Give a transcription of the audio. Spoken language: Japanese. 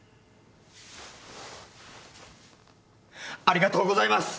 ありがとうございます！